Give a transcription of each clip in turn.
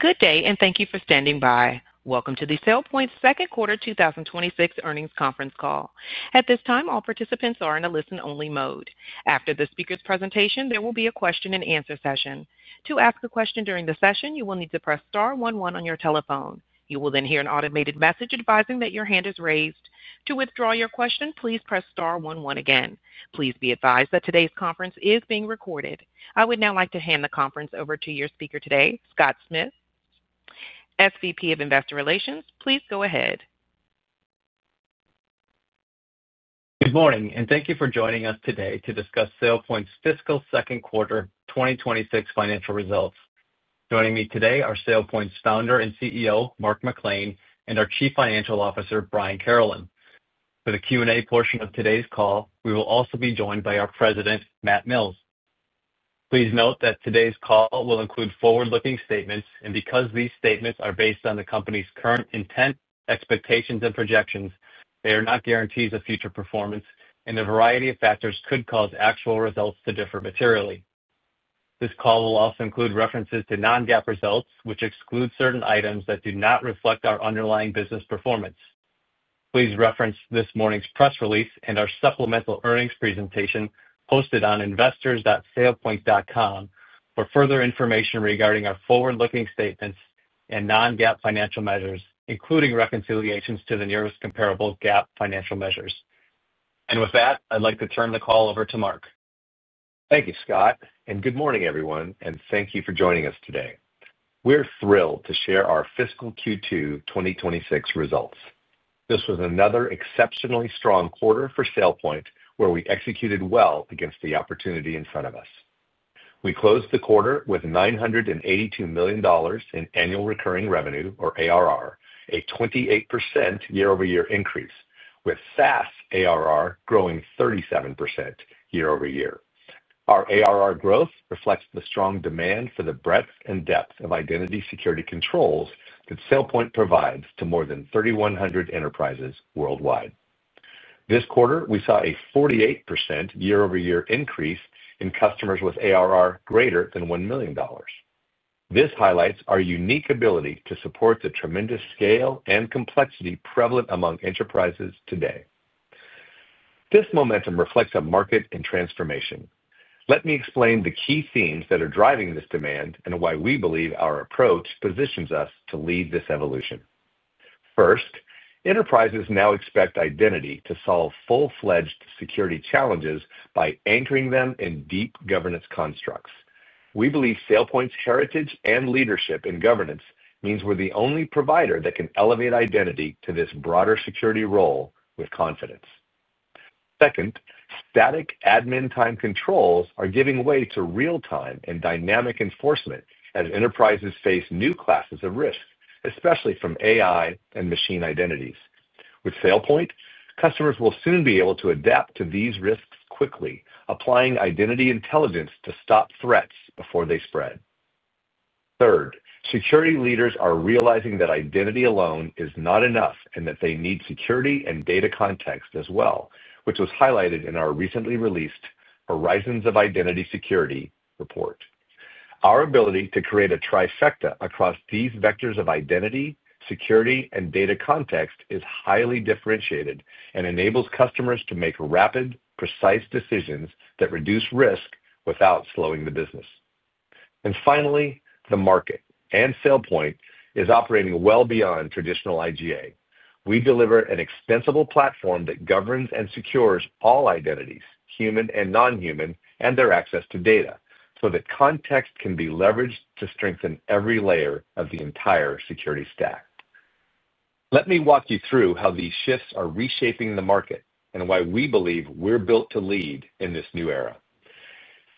Good day, and thank you for standing by. Welcome to the SailPoint second quarter 2026 earnings conference call. At this time, all participants are in a listen-only mode. After the speaker's presentation, there will be a question and answer session. To ask a question during the session, you will need to press star one one on your telephone. You will then hear an automated message advising that your hand is raised. To withdraw your question, please press star one one again. Please be advised that today's conference is being recorded. I would now like to hand the conference over to your speaker today, Scott Smith, SVP of Investor Relations. Please go ahead. Good morning, and thank you for joining us today to discuss SailPoint's fiscal second quarter 2026 financial results. Joining me today are SailPoint's founder and CEO, Mark McClain, and our Chief Financial Officer, Brian Carolan. For the Q&A portion of today's call, we will also be joined by our President, Matt Mills. Please note that today's call will include forward-looking statements, and because these statements are based on the company's current intent, expectations, and projections, they are not guarantees of future performance, and a variety of factors could cause actual results to differ materially. This call will also include references to non-GAAP results, which exclude certain items that do not reflect our underlying business performance. Please reference this morning's press release and our supplemental earnings presentation posted on investors.sailpoint.com for further information regarding our forward-looking statements and non-GAAP financial measures, including reconciliations to the nearest comparable GAAP financial measures. With that, I'd like to turn the call over to Mark. Thank you, Scott, and good morning, everyone, and thank you for joining us today. We're thrilled to share our fiscal Q2 2026 results. This was another exceptionally strong quarter for SailPoint, where we executed well against the opportunity in front of us. We closed the quarter with $982 million in annual recurring revenue, or ARR, a 28% year-over-year increase, with SaaS ARR growing 37% year-over-year. Our ARR growth reflects the strong demand for the breadth and depth of identity security controls that SailPoint provides to more than 3,100 enterprises worldwide. This quarter, we saw a 48% year-over-year increase in customers with ARR greater than $1 million. This highlights our unique ability to support the tremendous scale and complexity prevalent among enterprises today. This momentum reflects a market in transformation. Let me explain the key themes that are driving this demand and why we believe our approach positions us to lead this evolution. First, enterprises now expect identity to solve full-fledged security challenges by anchoring them in deep governance constructs. We believe SailPoint's heritage and leadership in governance means we're the only provider that can elevate identity to this broader security role with confidence. Second, static admin time controls are giving way to real-time and dynamic enforcement as enterprises face new classes of risks, especially from AI and machine identities. With SailPoint, customers will soon be able to adapt to these risks quickly, applying identity intelligence to stop threats before they spread. Third, security leaders are realizing that identity alone is not enough and that they need security and data context as well, which was highlighted in our recently released Horizons of Identity Security report. Our ability to create a trifecta across these vectors of identity, security, and data context is highly differentiated and enables customers to make rapid, precise decisions that reduce risk without slowing the business. Finally, the market, and SailPoint, is operating well beyond traditional IGA. We deliver an extensible platform that governs and secures all identities, human and non-human, and their access to data, so that context can be leveraged to strengthen every layer of the entire security stack. Let me walk you through how these shifts are reshaping the market and why we believe we're built to lead in this new era.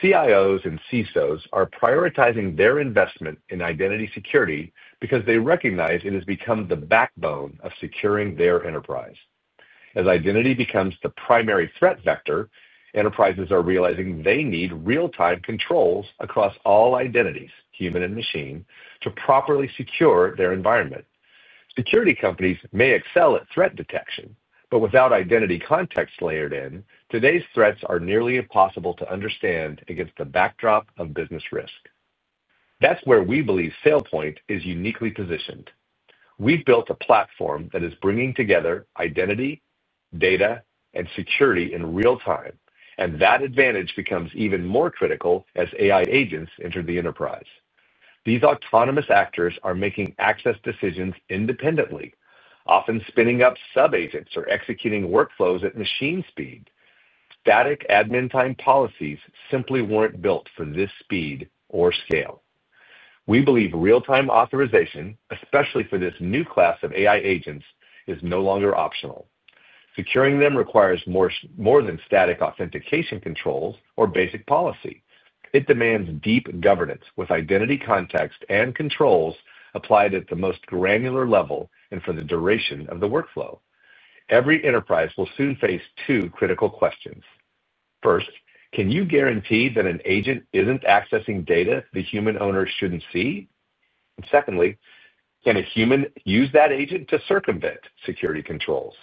CIOs and CISOs are prioritizing their investment in identity security because they recognize it has become the backbone of securing their enterprise. As identity becomes the primary threat vector, enterprises are realizing they need real-time controls across all identities, human and machine, to properly secure their environment. Security companies may excel at threat detection, but without identity context layered in, today's threats are nearly impossible to understand against the backdrop of business risk. That is where we believe SailPoint is uniquely positioned. We have built a platform that is bringing together identity, data, and security in real time, and that advantage becomes even more critical as AI agents enter the enterprise. These autonomous actors are making access decisions independently, often spinning up sub-agents or executing workflows at machine speed. Static admin time policies simply were not built for this speed or scale. We believe real-time authorization, especially for this new class of AI agents, is no longer optional. Securing them requires more than static authentication controls or basic policy. It demands deep governance with identity context and controls applied at the most granular level and for the duration of the workflow. Every enterprise will soon face two critical questions. First, can you guarantee that an agent is not accessing data the human owner should not see? Secondly, can a human use that agent to circumvent security controls?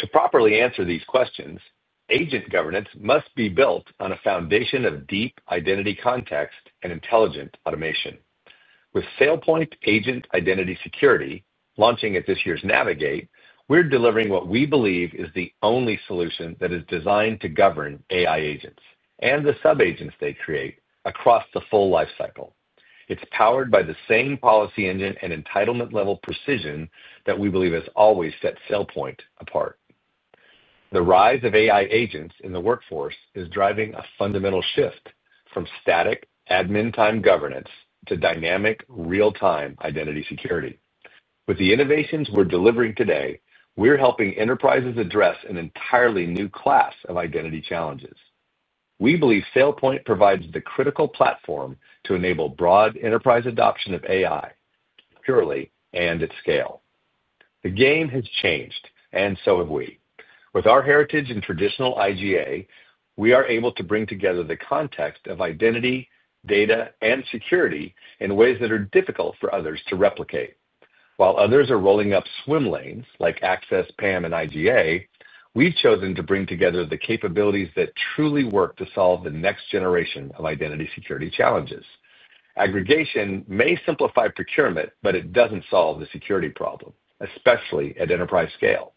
To properly answer these questions, agent governance must be built on a foundation of deep identity context and intelligent automation. With SailPoint Agent Identity Security, launching at this year's Navigate, we are delivering what we believe is the only solution that is designed to govern AI agents and the sub-agents they create across the full lifecycle. It is powered by the same policy engine and entitlement-level precision that we believe has always set SailPoint apart. The rise of AI agents in the workforce is driving a fundamental shift from static admin time governance to dynamic, real-time identity security. With the innovations we are delivering today, we are helping enterprises address an entirely new class of identity challenges. We believe SailPoint provides the critical platform to enable broad enterprise adoption of AI, purely and at scale. The game has changed, and so have we. With our heritage and traditional IGA, we are able to bring together the context of identity, data, and security in ways that are difficult for others to replicate. While others are rolling up swim lanes like Access, PAM, and IGA, we've chosen to bring together the capabilities that truly work to solve the next generation of identity security challenges. Aggregation may simplify procurement, but it doesn't solve the security problem, especially at enterprise scale.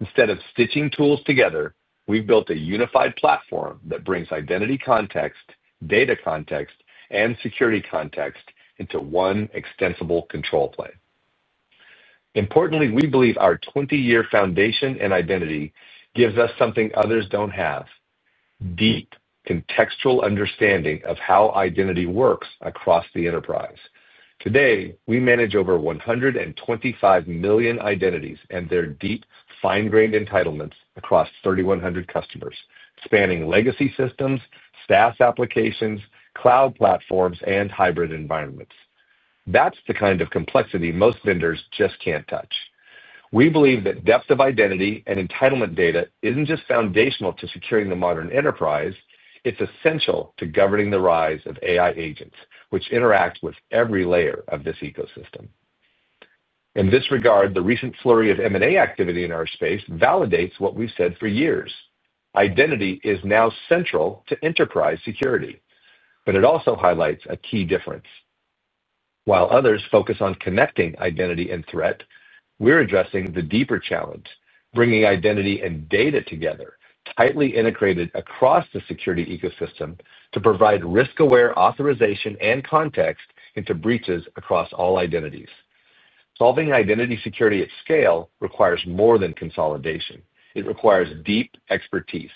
Instead of stitching tools together, we've built a unified platform that brings identity context, data context, and security context into one extensible control plane. Importantly, we believe our 20-year foundation in identity gives us something others don't have: deep, contextual understanding of how identity works across the enterprise. Today, we manage over 125 million identities and their deep, fine-grained entitlements across 3,100 customers, spanning legacy systems, SaaS applications, cloud platforms, and hybrid environments. That's the kind of complexity most vendors just can't touch. We believe that depth of identity and entitlement data isn't just foundational to securing the modern enterprise. It's essential to governing the rise of AI agents, which interact with every layer of this ecosystem. In this regard, the recent flurry of M&A activity in our space validates what we've said for years: identity is now central to enterprise security, but it also highlights a key difference. While others focus on connecting identity and threat, we're addressing the deeper challenge, bringing identity and data together, tightly integrated across the security ecosystem, to provide risk-aware authorization and context into breaches across all identities. Solving identity security at scale requires more than consolidation. It requires deep expertise.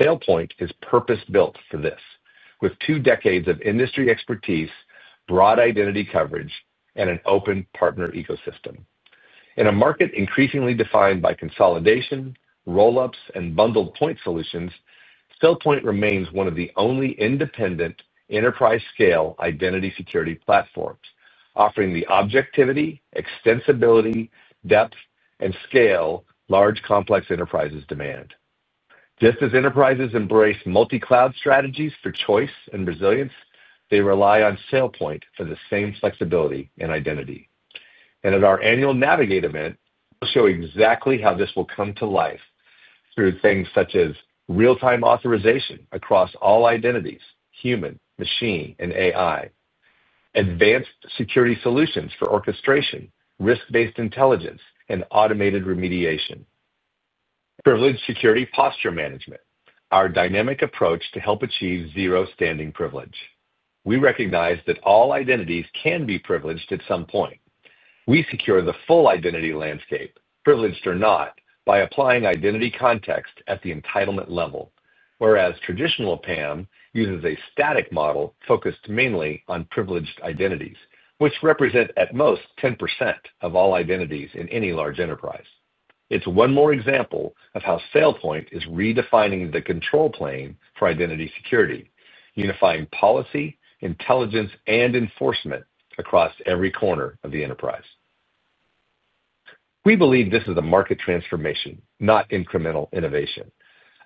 SailPoint is purpose-built for this, with two decades of industry expertise, broad identity coverage, and an open partner ecosystem. In a market increasingly defined by consolidation, roll-ups, and bundled point solutions, SailPoint remains one of the only independent, enterprise-scale identity security platforms, offering the objectivity, extensibility, depth, and scale large complex enterprises demand. Just as enterprises embrace multi-cloud strategies for choice and resilience, they rely on SailPoint for the same flexibility and identity. At our annual Navigate event, we'll show exactly how this will come to life through things such as real-time authorization across all identities, human, machine, and AI, advanced security solutions for orchestration, risk-based intelligence, and automated remediation, privileged security posture management, our dynamic approach to help achieve zero standing privilege. We recognize that all identities can be privileged at some point. We secure the full identity landscape, privileged or not, by applying identity context at the entitlement level, whereas traditional PAM uses a static model focused mainly on privileged identities, which represent at most 10% of all identities in any large enterprise. It's one more example of how SailPoint is redefining the control plane for identity security, unifying policy, intelligence, and enforcement across every corner of the enterprise. We believe this is a market transformation, not incremental innovation.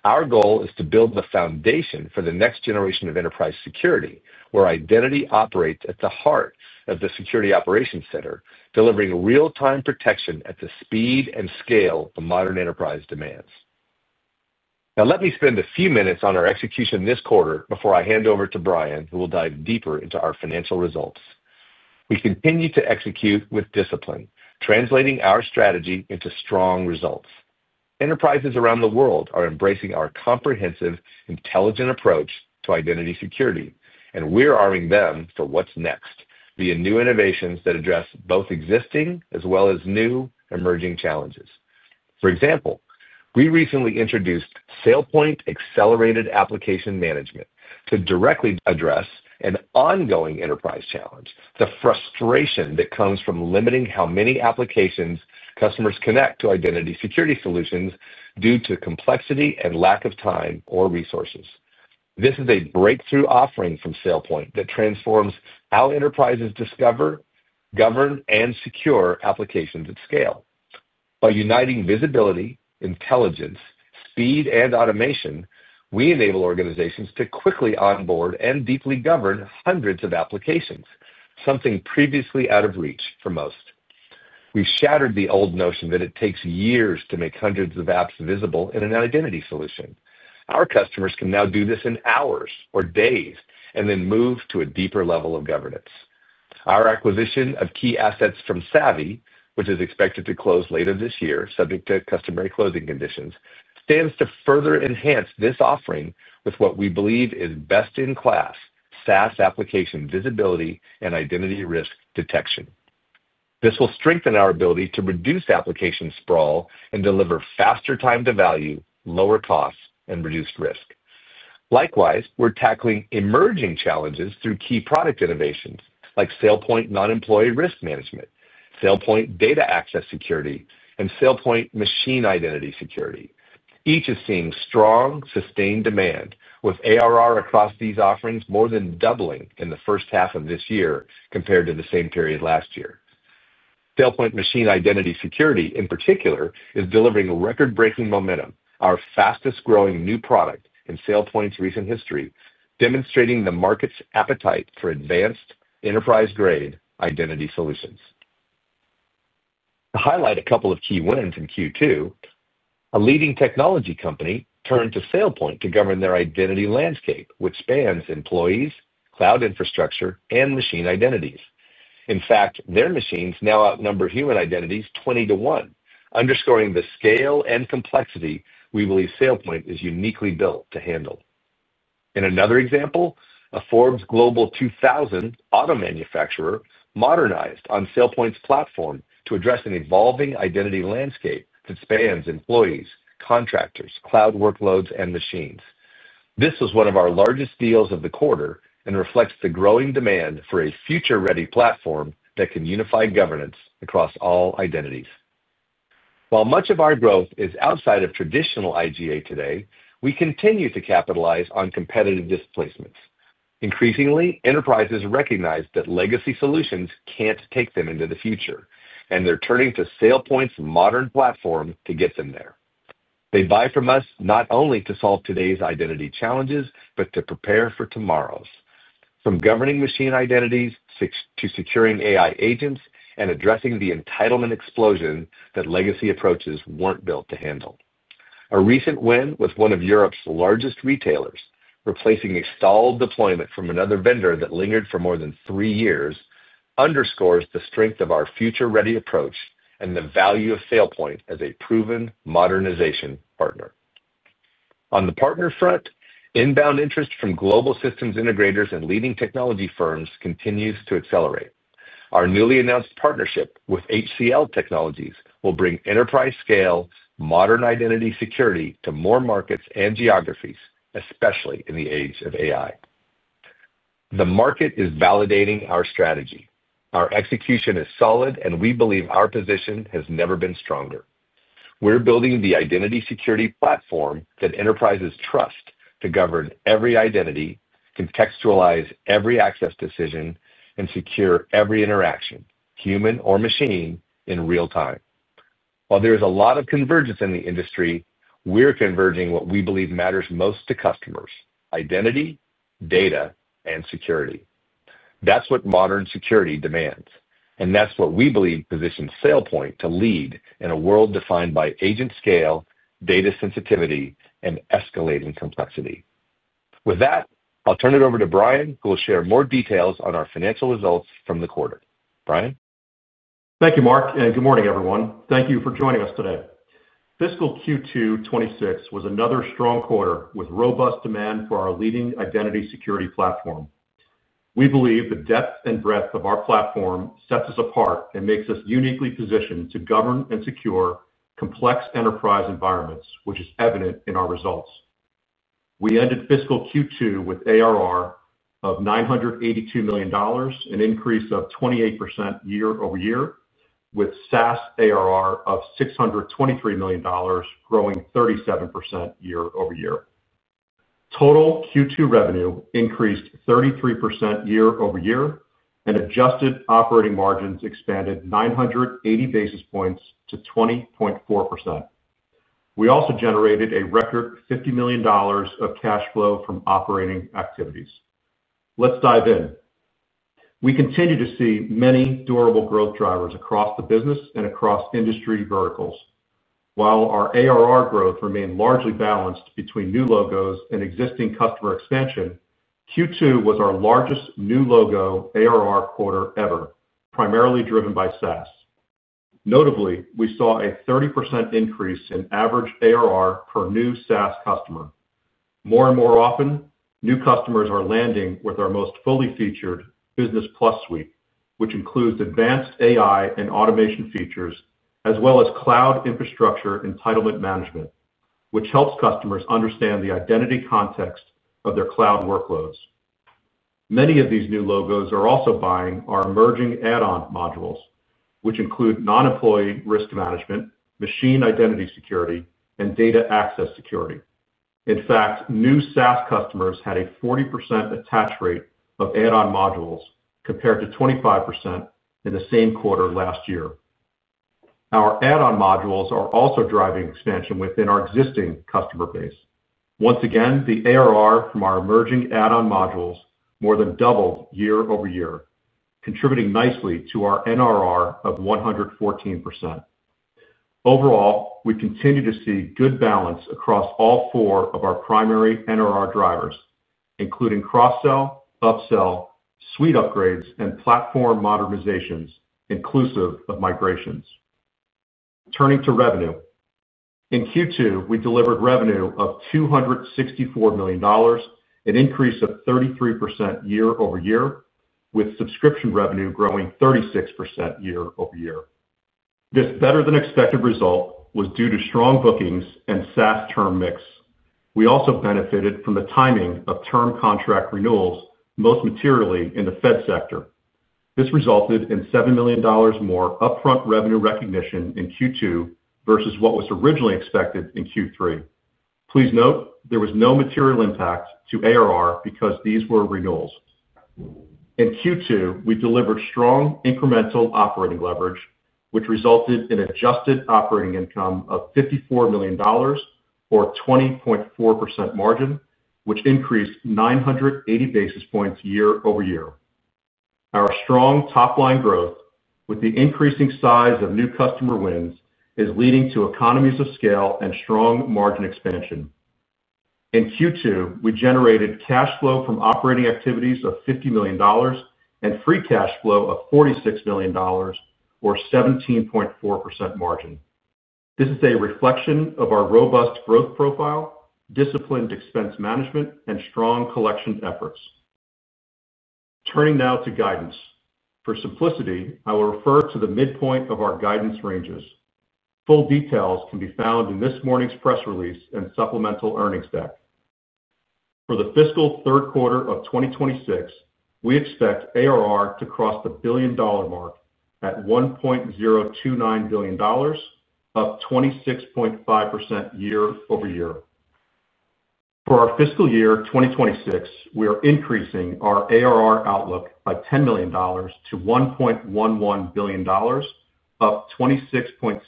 Our goal is to build the foundation for the next generation of enterprise security, where identity operates at the heart of the security operations center, delivering real-time protection at the speed and scale a modern enterprise demands. Let me spend a few minutes on our execution this quarter before I hand over to Brian, who will dive deeper into our financial results. We continue to execute with discipline, translating our strategy into strong results. Enterprises around the world are embracing our comprehensive, intelligent approach to identity security, and we're arming them for what's next via new innovations that address both existing as well as new emerging challenges. For example, we recently introduced SailPoint Accelerated Application Management to directly address an ongoing enterprise challenge, the frustration that comes from limiting how many applications customers connect to identity security solutions due to complexity and lack of time or resources. This is a breakthrough offering from SailPoint that transforms how enterprises discover, govern, and secure applications at scale. By uniting visibility, intelligence, speed, and automation, we enable organizations to quickly onboard and deeply govern hundreds of applications, something previously out of reach for most. We've shattered the old notion that it takes years to make hundreds of apps visible in an identity solution. Our customers can now do this in hours or days and then move to a deeper level of governance. Our acquisition of key assets from Savvy, which is expected to close later this year, subject to customary closing conditions, stands to further enhance this offering with what we believe is best-in-class SaaS application visibility and identity risk detection. This will strengthen our ability to reduce application sprawl and deliver faster time to value, lower costs, and reduced risk. Likewise, we're tackling emerging challenges through key product innovations like SailPoint Non-Employee Risk Management, SailPoint Data Access Security, and SailPoint Machine Identity Security. Each is seeing strong, sustained demand, with ARR across these offerings more than doubling in the first half of this year compared to the same period last year. SailPoint Machine Identity Security, in particular, is delivering record-breaking momentum, our fastest growing new product in SailPoint's recent history, demonstrating the market's appetite for advanced enterprise-grade identity solutions. To highlight a couple of key wins in Q2, a leading technology company turned to SailPoint to govern their identity landscape, which spans employees, cloud infrastructure, and machine identities. In fact, their machines now outnumber human identities 20 to 1, underscoring the scale and complexity we believe SailPoint is uniquely built to handle. In another example, a Forbes Global 2000 auto manufacturer modernized on SailPoint's platform to address an evolving identity landscape that spans employees, contractors, cloud workloads, and machines. This was one of our largest deals of the quarter and reflects the growing demand for a future-ready platform that can unify governance across all identities. While much of our growth is outside of traditional IGA today, we continue to capitalize on competitive displacements. Increasingly, enterprises recognize that legacy solutions can't take them into the future, and they're turning to SailPoint's modern platform to get them there. They buy from us not only to solve today's identity challenges, but to prepare for tomorrows, from governing machine identities to securing AI agents and addressing the entitlement explosion that legacy approaches weren't built to handle. A recent win with one of Europe's largest retailers, replacing a stalled deployment from another vendor that lingered for more than three years, underscores the strength of our future-ready approach and the value of SailPoint as a proven modernization partner. On the partner front, inbound interest from global systems integrators and leading technology firms continues to accelerate. Our newly announced partnership with HCL Technologies will bring enterprise-scale, modern identity security to more markets and geographies, especially in the age of AI. The market is validating our strategy. Our execution is solid, and we believe our position has never been stronger. We're building the identity security platform that enterprises trust to govern every identity, contextualize every access decision, and secure every interaction, human or machine, in real time. While there's a lot of convergence in the industry, we're converging what we believe matters most to customers: identity, data, and security. That's what modern security demands, and that's what we believe positions SailPoint to lead in a world defined by agent scale, data sensitivity, and escalating complexity. With that, I'll turn it over to Brian, who will share more details on our financial results from the quarter. Brian. Thank you, Mark, and good morning, everyone. Thank you for joining us today. Fiscal Q2 2026 was another strong quarter with robust demand for our leading identity security platform. We believe the depth and breadth of our platform sets us apart and makes us uniquely positioned to govern and secure complex enterprise environments, which is evident in our results. We ended fiscal Q2 with ARR of $982 million, an increase of 28% year-over-year, with SaaS ARR of $623 million, growing 37% year-over-year. Total Q2 revenue increased 33% year-over-year, and adjusted operating margins expanded 980 basis points to 20.4%. We also generated a record $50 million of cash flow from operating activities. Let's dive in. We continue to see many durable growth drivers across the business and across industry verticals. While our ARR growth remained largely balanced between new logos and existing customer expansion, Q2 was our largest new logo ARR quarter ever, primarily driven by SaaS. Notably, we saw a 30% increase in average ARR per new SaaS customer. More and more often, new customers are landing with our most fully featured Business Plus Suite, which includes advanced AI and automation features, as well as cloud infrastructure entitlement management, which helps customers understand the identity context of their cloud workloads. Many of these new logos are also buying our emerging add-on modules, which include Non-Employee Risk Management, Machine Identity Security, and data access security. In fact, new SaaS customers had a 40% attach rate of add-on modules compared to 25% in the same quarter last year. Our add-on modules are also driving expansion within our existing customer base. Once again, the ARR from our emerging add-on modules more than doubled year-over-year, contributing nicely to our NRR of 114%. Overall, we continue to see good balance across all four of our primary NRR drivers, including cross-sell, upsell, suite upgrades, and platform modernizations, inclusive of migrations. Turning to revenue, in Q2, we delivered revenue of $264 million, an increase of 33% year-over-year, with subscription revenue growing 36% year-over-year. This better-than-expected result was due to strong bookings and SaaS term mix. We also benefited from the timing of term contract renewals, most materially in the Fed sector. This resulted in $7 million more upfront revenue recognition in Q2 versus what was originally expected in Q3. Please note, there was no material impact to ARR because these were renewals. In Q2, we delivered strong incremental operating leverage, which resulted in an adjusted operating income of $54 million or a 20.4% margin, which increased 980 basis points year-over-year. Our strong top-line growth, with the increasing size of new customer wins, is leading to economies of scale and strong margin expansion. In Q2, we generated cash flow from operating activities of $50 million and free cash flow of $46 million or a 17.4% margin. This is a reflection of our robust growth profile, disciplined expense management, and strong collection efforts. Turning now to guidance. For simplicity, I will refer to the midpoint of our guidance ranges. Full details can be found in this morning's press release and supplemental earnings deck. For the fiscal third quarter of 2026, we expect ARR to cross the billion-dollar mark at $1.029 billion, up 26.5% year-over-year. For our fiscal year 2026, we are increasing our ARR outlook by $10 million to $1.11 billion, up 26.6%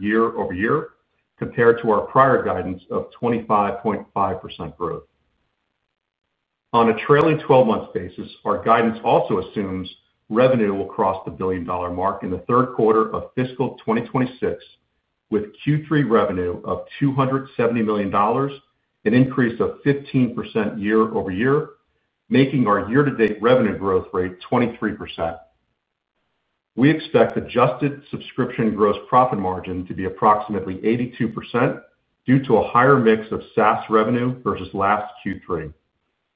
year-over-year, compared to our prior guidance of 25.5% growth. On a trailing 12-month basis, our guidance also assumes revenue will cross the billion-dollar mark in the third quarter of fiscal 2026, with Q3 revenue of $270 million, an increase of 15% year-over-year, making our year-to-date revenue growth rate 23%. We expect adjusted subscription gross profit margin to be approximately 82% due to a higher mix of SaaS revenue versus last Q3,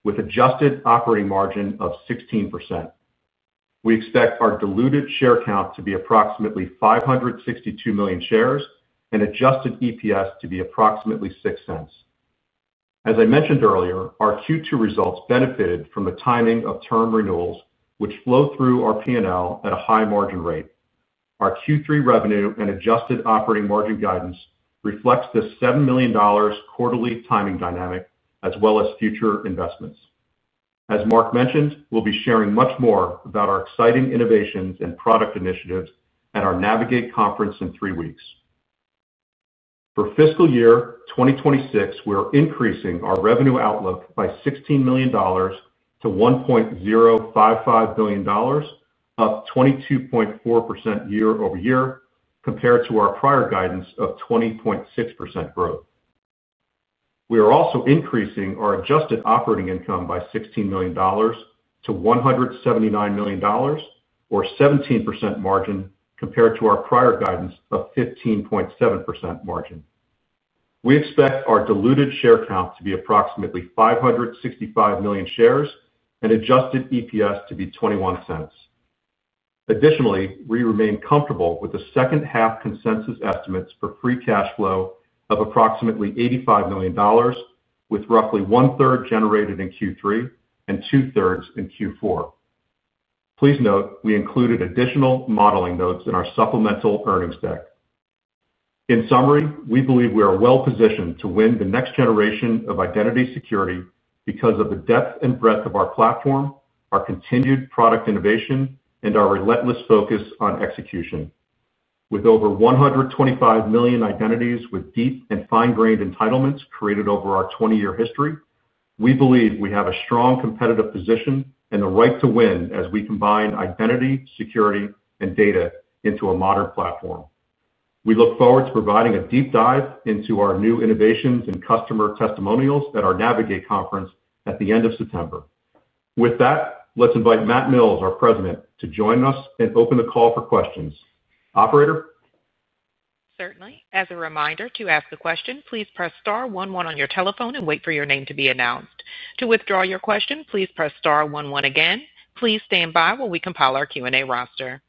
with an adjusted operating margin of 16%. We expect our diluted share count to be approximately 562 million shares and adjusted EPS to be approximately $0.06. As I mentioned earlier, our Q2 results benefited from the timing of term renewals, which flow through our P&L at a high margin rate. Our Q3 revenue and adjusted operating margin guidance reflect this $7 million quarterly timing dynamic, as well as future investments. As Mark mentioned, we'll be sharing much more about our exciting innovations and product initiatives at our Navigate conference in three weeks. For fiscal year 2026, we're increasing our revenue outlook by $16 million to $1.055 billion, up 22.4% year-over-year, compared to our prior guidance of 20.6% growth. We are also increasing our adjusted operating income by $16 million to $179 million, or a 17% margin, compared to our prior guidance of 15.7% margin. We expect our diluted share count to be approximately 565 million shares and adjusted EPS to be $0.21. Additionally, we remain comfortable with the second-half consensus estimates for free cash flow of approximately $85 million, with roughly one-third generated in Q3 and two-thirds in Q4. Please note, we included additional modeling notes in our supplemental earnings deck. In summary, we believe we are well positioned to win the next generation of identity security because of the depth and breadth of our platform, our continued product innovation, and our relentless focus on execution. With over 125 million identities with deep and fine-grained entitlements created over our 20-year history, we believe we have a strong competitive position and the right to win as we combine identity, security, and data into a modern platform. We look forward to providing a deep dive into our new innovations and customer testimonials at our Navigate conference at the end of September. With that, let's invite Matt Mills, our President, to join us and open the call for questions. Operator? Certainly. As a reminder, to ask a question, please press star one one on your telephone and wait for your name to be announced. To withdraw your question, please press star one one again. Please stand by while we compile our Q&A roster.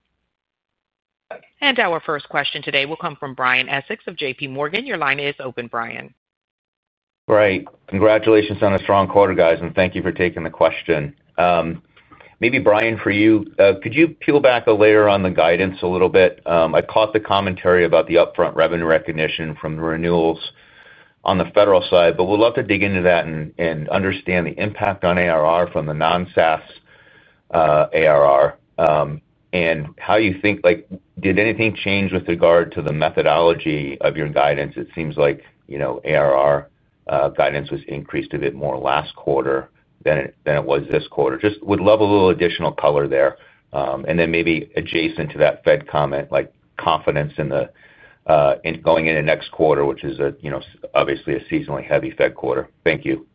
Our first question today will come from Brian Essex of JPMorgan. Your line is open, Brian. Right. Congratulations on a strong quarter, guys, and thank you for taking the question. Maybe Brian, for you, could you peel back a layer on the guidance a little bit? I caught the commentary about the upfront revenue recognition from the renewals on the federal side, but we'd love to dig into that and understand the impact on ARR from the non-SaaS ARR and how you think, like, did anything change with regard to the methodology of your guidance? It seems like, you know, ARR guidance was increased a bit more last quarter than it was this quarter. Just would love a little additional color there. Maybe adjacent to that Fed comment, like, confidence in the going into next quarter, which is, you know, obviously a seasonally heavy Fed quarter. Thank you.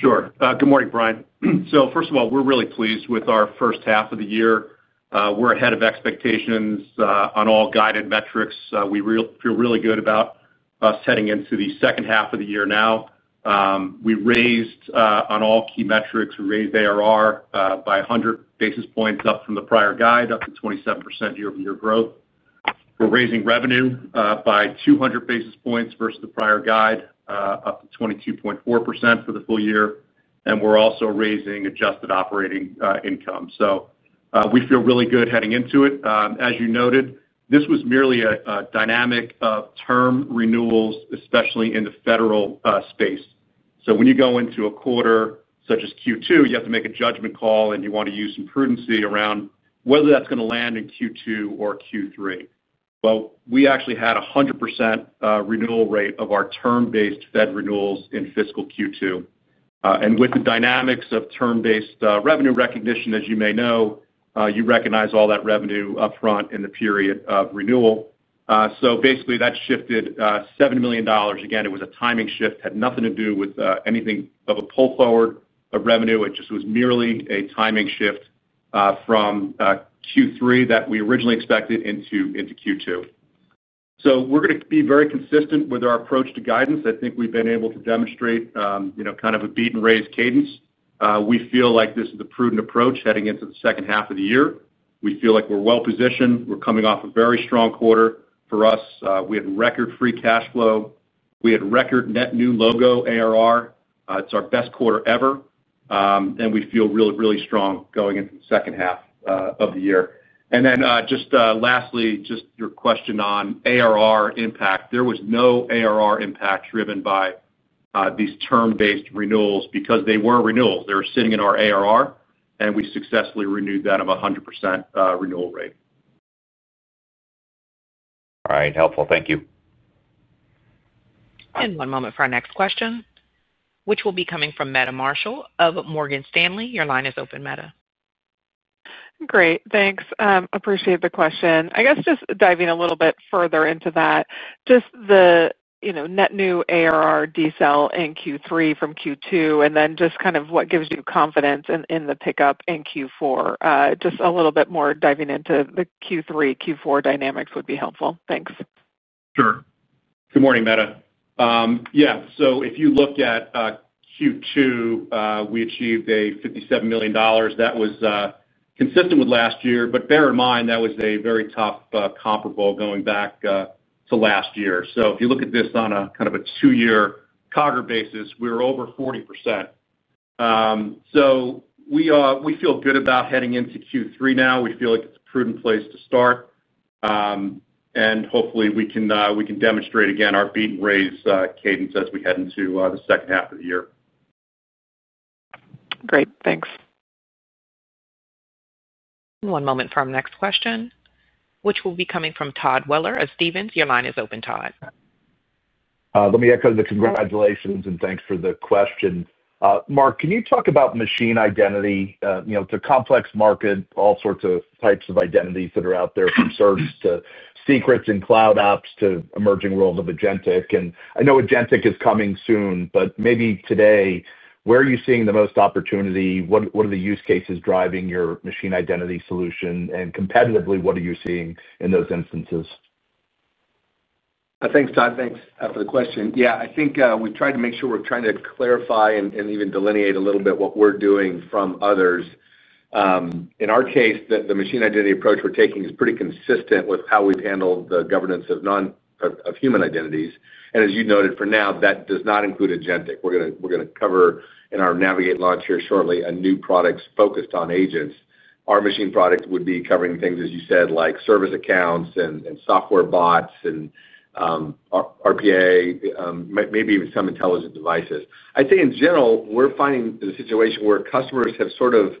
Sure. Good morning, Brian. First of all, we're really pleased with our first half of the year. We're ahead of expectations on all guided metrics. We feel really good about us heading into the second half of the year now. We raised on all key metrics, we raised ARR by 100 basis points up from the prior guide up to 27% year-over-year growth. We're raising revenue by 200 basis points versus the prior guide up to 22.4% for the full year. We're also raising adjusted operating income. We feel really good heading into it. As you noted, this was merely a dynamic of term renewals, especially in the federal space. When you go into a quarter such as Q2, you have to make a judgment call and you want to use some prudency around whether that's going to land in Q2 or Q3. We actually had a 100% renewal rate of our term-based Fed renewals in fiscal Q2. With the dynamics of term-based revenue recognition, as you may know, you recognize all that revenue upfront in the period of renewal. Basically, that shifted $7 million. Again, it was a timing shift, had nothing to do with anything of a pull forward of revenue. It just was merely a timing shift from Q3 that we originally expected into Q2. We're going to be very consistent with our approach to guidance. I think we've been able to demonstrate, you know, kind of a beat-and-raise cadence. We feel like this is a prudent approach heading into the second half of the year. We feel like we're well positioned. We're coming off a very strong quarter for us. We had record free cash flow. We had record net new logo ARR. It's our best quarter ever. We feel really, really strong going into the second half of the year. Lastly, just your question on ARR impact. There was no ARR impact driven by these term-based renewals because they were renewals. They were sitting in our ARR, and we successfully renewed that at a 100% renewal rate. All right. Helpful. Thank you. One moment for our next question, which will be coming from Meta Marshall of Morgan Stanley. Your line is open, Meta. Great, thanks. Appreciate the question. I guess just diving a little bit further into that, the net new ARR decel in Q3 from Q2, and then what gives you confidence in the pickup in Q4. A little bit more diving into the Q3, Q4 dynamics would be helpful. Thanks. Sure. Good morning, Meta. If you look at Q2, we achieved $57 million. That was consistent with last year, but bear in mind that was a very tough comparable going back to last year. If you look at this on a kind of a two-year CAGR basis, we were over 40%. We feel good about heading into Q3 now. We feel like it's a prudent place to start. Hopefully, we can demonstrate again our beat-and-raise cadence as we head into the second half of the year. Great. Thanks. One moment for our next question, which will be coming from Todd Weller of Stephens. Your line is open, Todd. Let me echo the congratulations and thanks for the question. Mark, can you talk about machine identity? You know, it's a complex market, all sorts of types of identities that are out there, from servers to secrets and cloud ops to the emerging world of Agentic. I know Agentic is coming soon, but maybe today, where are you seeing the most opportunity? What are the use cases driving your machine identity solution? Competitively, what are you seeing in those instances? Thanks, Todd. Thanks for the question. Yeah, I think we tried to make sure we're trying to clarify and even delineate a little bit what we're doing from others. In our case, the machine identity approach we're taking is pretty consistent with how we've handled the governance of non-human identities. As you noted, for now, that does not include Agentic. We're going to cover in our Navigate launch here shortly a new product focused on agents. Our machine product would be covering things, as you said, like service accounts and software bots and RPA, maybe even some intelligent devices. I'd say in general, we're finding a situation where customers have sort of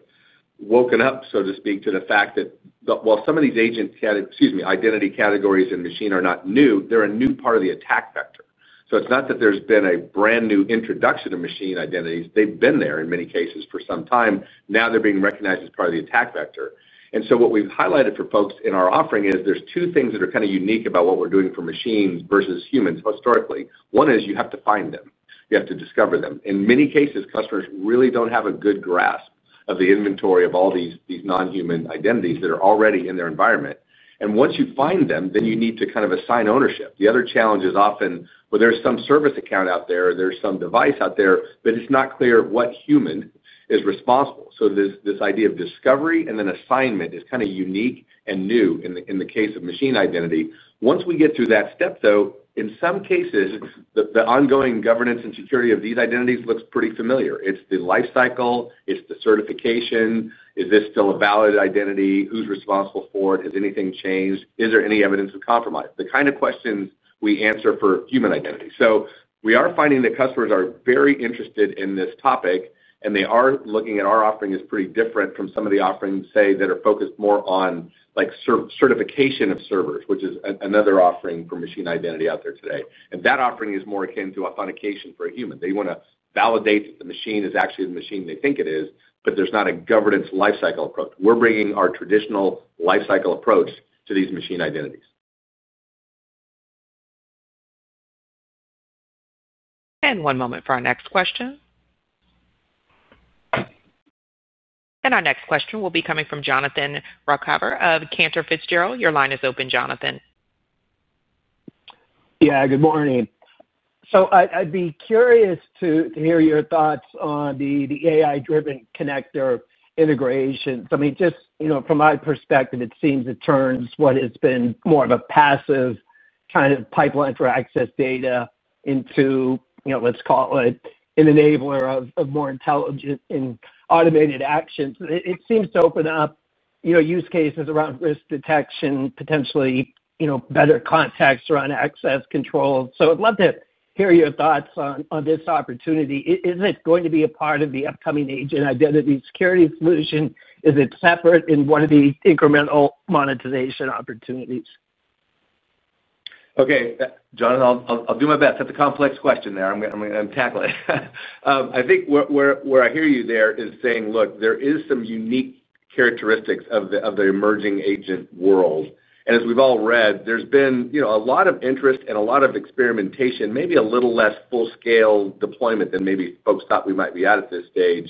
woken up, so to speak, to the fact that while some of these agents, excuse me, identity categories in machine are not new, they're a new part of the attack vector. It's not that there's been a brand new introduction of machine identities. They've been there in many cases for some time. Now they're being recognized as part of the attack vector. What we've highlighted for folks in our offering is there's two things that are kind of unique about what we're doing for machines versus humans historically. One is you have to find them. You have to discover them. In many cases, customers really don't have a good grasp of the inventory of all these non-human identities that are already in their environment. Once you find them, then you need to kind of assign ownership. The other challenge is often when there's some service account out there, there's some device out there, but it's not clear what human is responsible. This idea of discovery and then assignment is kind of unique and new in the case of machine identity. Once we get through that step, though, in some cases, the ongoing governance and security of these identities looks pretty familiar. It's the lifecycle. It's the certification. Is this still a valid identity? Who's responsible for it? Has anything changed? Is there any evidence of compromise? The kind of questions we answer for human identity. We are finding that customers are very interested in this topic, and they are looking at our offering as pretty different from some of the offerings, say, that are focused more on, like, certification of servers, which is another offering for machine identity out there today. That offering is more akin to authentication for a human. They want to validate that the machine is actually the machine they think it is, but there's not a governance lifecycle approach. We're bringing our traditional lifecycle approach to these machine identities. One moment for our next question. Our next question will be coming from Jonathan Roccover of Cantor Fitzgerald. Your line is open, Jonathan. Good morning. I'd be curious to hear your thoughts on the AI-driven connector integration. From my perspective, it seems it turns what has been more of a passive kind of pipeline for access data into, let's call it an enabler of more intelligent and automated actions. It seems to open up use cases around risk detection, potentially better context around access control. I'd love to hear your thoughts on this opportunity. Is it going to be a part of the upcoming SailPoint Agent Identity Security solution? Is it separate in one of the incremental monetization opportunities? Okay, John, I'll do my best. That's a complex question there. I'm going to tackle it. I think where I hear you there is saying, look, there are some unique characteristics of the emerging agent world. As we've all read, there's been a lot of interest and a lot of experimentation, maybe a little less full-scale deployment than maybe folks thought we might be at at this stage.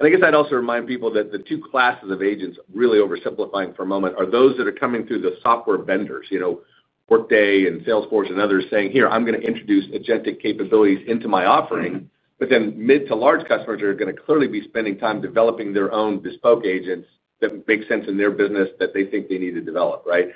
I guess I'd also remind people that the two classes of agents, really oversimplifying for a moment, are those that are coming through the software vendors, you know, Workday and Salesforce and others saying, here, I'm going to introduce Agentic capabilities into my offering, but then mid-to-large customers are going to clearly be spending time developing their own bespoke agents that make sense in their business that they think they need to develop, right?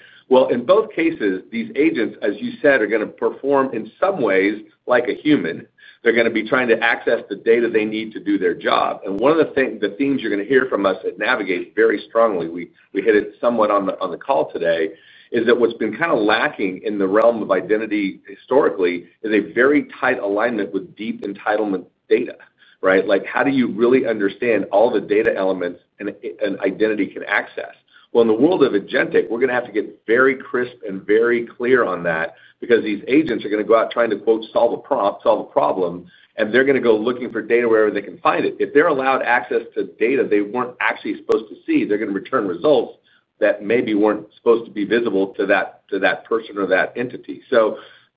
In both cases, these agents, as you said, are going to perform in some ways like a human. They're going to be trying to access the data they need to do their job. One of the things you're going to hear from us at Navigate very strongly, we hit it somewhat on the call today, is that what's been kind of lacking in the realm of identity historically is a very tight alignment with deep entitlement data, right? Like, how do you really understand all the data elements an identity can access? In the world of Agentic, we're going to have to get very crisp and very clear on that because these agents are going to go out trying to, quote, solve a problem, and they're going to go looking for data wherever they can find it. If they're allowed access to data they weren't actually supposed to see, they're going to return results that maybe weren't supposed to be visible to that person or that entity.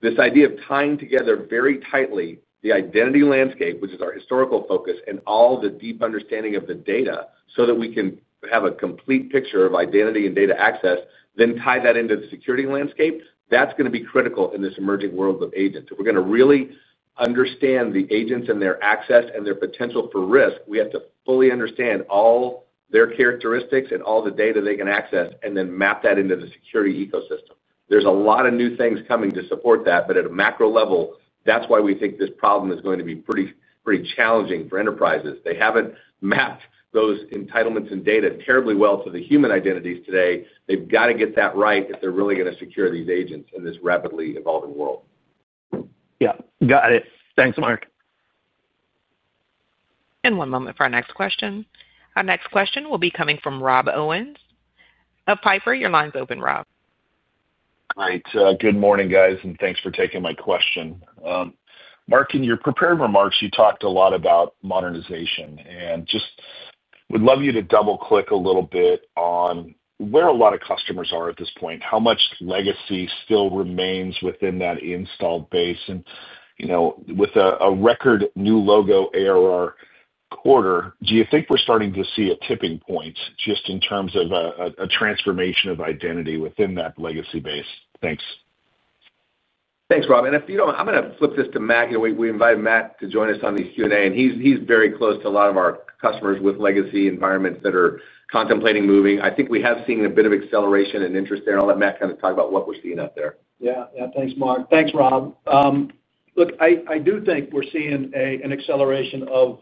This idea of tying together very tightly the identity landscape, which is our historical focus, and all the deep understanding of the data so that we can have a complete picture of identity and data access, then tie that into the security landscape, that's going to be critical in this emerging world of agents. If we're going to really understand the agents and their access and their potential for risk, we have to fully understand all their characteristics and all the data they can access and then map that into the security ecosystem. There's a lot of new things coming to support that, but at a macro level, that's why we think this problem is going to be pretty challenging for enterprises. They haven't mapped those entitlements and data terribly well to the human identities today. They've got to get that right if they're really going to secure these agents in this rapidly evolving world. Yeah, got it. Thanks, Mark. One moment for our next question. Our next question will be coming from Robbie Owens of Piper Sandler. Your line's open, Robbie. Hi, good morning, guys, and thanks for taking my question. Mark, in your prepared remarks, you talked a lot about modernization, and just would love you to double-click a little bit on where a lot of customers are at this point, how much legacy still remains within that installed base. With a record new logo ARR quarter, do you think we're starting to see a tipping point just in terms of a transformation of identity within that legacy base? Thanks. Thanks, Rob. If you don't, I'm going to flip this to Matt. We invited Matt to join us on the Q&A, and he's very close to a lot of our customers with legacy environments that are contemplating moving. I think we have seen a bit of acceleration and interest there. I'll let Matt kind of talk about what we're seeing out there. Yeah, yeah, thanks, Mark. Thanks, Rob. I do think we're seeing an acceleration of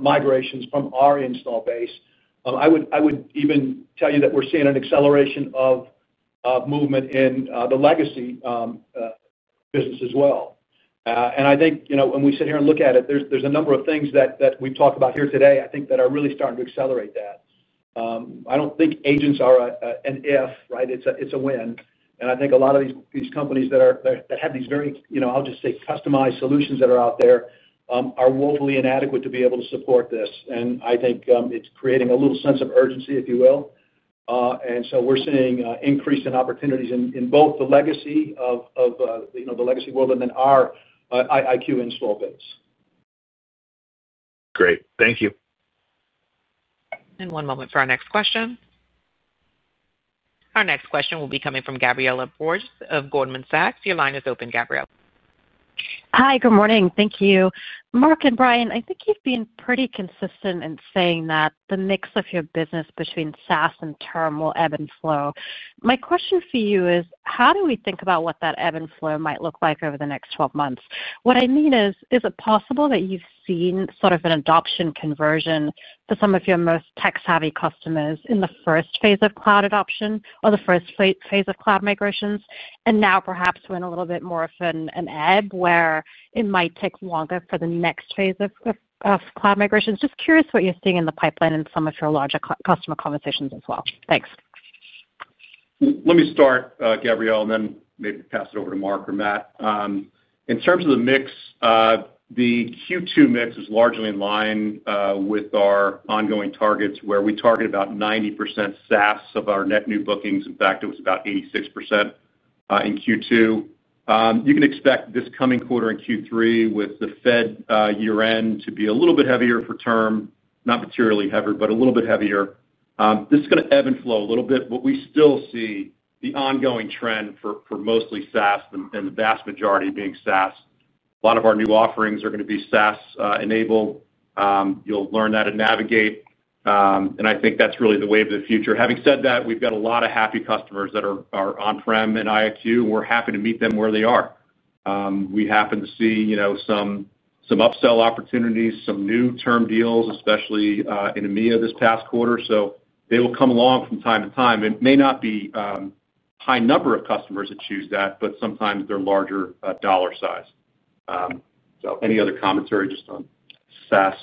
migrations from our install base. I would even tell you that we're seeing an acceleration of movement in the legacy business as well. I think, you know, when we sit here and look at it, there's a number of things that we've talked about here today that are really starting to accelerate that. I don't think agents are an if, right? It's a when. I think a lot of these companies that have these very, you know, I'll just say, customized solutions that are out there are woefully inadequate to be able to support this. I think it's creating a little sense of urgency, if you will. We're seeing an increase in opportunities in both the legacy world and then our IIQ install base. Great. Thank you. One moment for our next question. Our next question will be coming from Gabriela Borges of Goldman Sachs. Your line is open, Gabriela. Hi, good morning. Thank you. Mark and Brian, I think you've been pretty consistent in saying that the mix of your business between SaaS and term will ebb and flow. My question for you is, how do we think about what that ebb and flow might look like over the next 12 months? What I mean is, is it possible that you've seen sort of an adoption conversion for some of your most tech-savvy customers in the first phase of cloud adoption or the first phase of cloud migrations? Now perhaps we're in a little bit more of an ebb where it might take longer for the next phase of cloud migrations. Just curious what you're seeing in the pipeline in some of your larger customer conversations as well. Thanks. Let me start, Gabriela, and then maybe pass it over to Mark or Matt. In terms of the mix, the Q2 mix is largely in line with our ongoing targets where we target about 90% SaaS of our net new bookings. In fact, it was about 86% in Q2. You can expect this coming quarter in Q3 with the Fed year-end to be a little bit heavier for term, not materially heavier, but a little bit heavier. This is going to ebb and flow a little bit, but we still see the ongoing trend for mostly SaaS and the vast majority being SaaS. A lot of our new offerings are going to be SaaS enabled. You'll learn that in Navigate. I think that's really the wave of the future. Having said that, we've got a lot of happy customers that are on-prem and IIQ, and we're happy to meet them where they are. We happen to see some upsell opportunities, some new term deals, especially in EMEA this past quarter. They will come along from time to time. It may not be a high number of customers that choose that, but sometimes they're larger dollar size. Any other commentary just on SaaS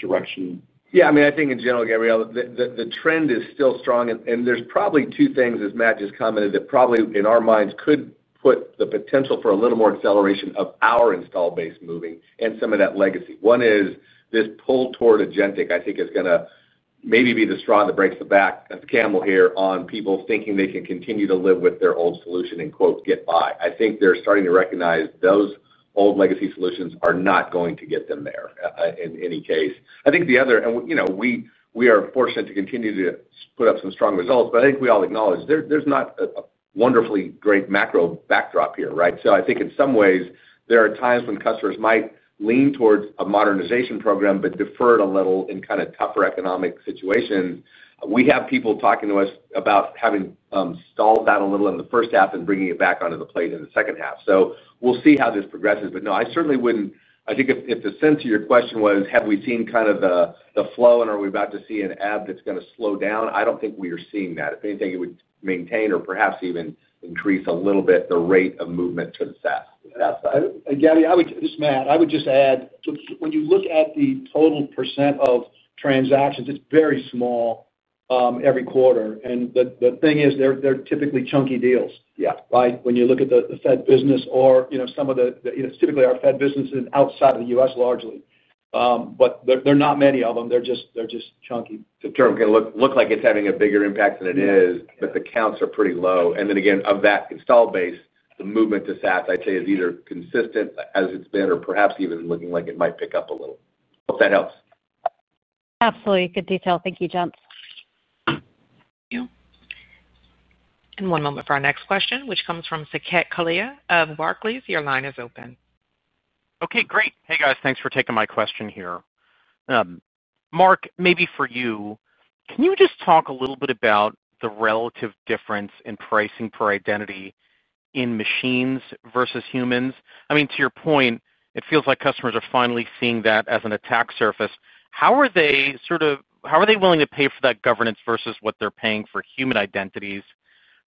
direction? Yeah, I mean, I think in general, Gabriela, the trend is still strong. There's probably two things, as Matt just commented, that probably in our minds could put the potential for a little more acceleration of our install base moving and some of that legacy. One is this pull toward Agentic. I think it's going to maybe be the straw that breaks the back of the camel here on people thinking they can continue to live with their old solution and, quote, get by. I think they're starting to recognize those old legacy solutions are not going to get them there in any case. The other, and you know, we are fortunate to continue to put up some strong results, but I think we all acknowledge there's not a wonderfully great macro backdrop here, right? In some ways, there are times when customers might lean towards a modernization program but defer it a little in kind of tougher economic situations. We have people talking to us about having stalled that a little in the first half and bringing it back onto the plate in the second half. We'll see how this progresses. No, I certainly wouldn't, I think if the sense of your question was, have we seen kind of the flow and are we about to see an ebb that's going to slow down? I don't think we are seeing that. If anything, it would maintain or perhaps even increase a little bit the rate of movement to the SaaS. Gabby, I would just, Matt, I would just add, when you look at the total % of transactions, it's very small every quarter. The thing is, they're typically chunky deals. Yeah. When you look at the Fed business or, you know, typically our Fed business is outside of the U.S. largely. There are not many of them. They're just chunky. The term can look like it's having a bigger impact than it is, but the counts are pretty low. Of that install base, the movement to SaaS, I'd say, is either consistent as it's been or perhaps even looking like it might pick up a little. If that helps. Absolutely. Good detail. Thank you, Jones. One moment for our next question, which comes from Saket Kalia of Barclays. Your line is open. Okay, great. Hey, guys, thanks for taking my question here. Mark, maybe for you, can you just talk a little bit about the relative difference in pricing per identity in machines versus humans? I mean, to your point, it feels like customers are finally seeing that as an attack surface. How are they sort of, how are they willing to pay for that governance versus what they're paying for human identities?